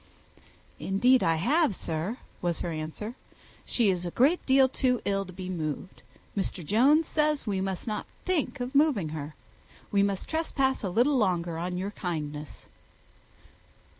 "Indeed I have, sir," was her answer. "She is a great deal too ill to be moved. Mr. Jones says we must not think of moving her. We must trespass a little longer on your kindness."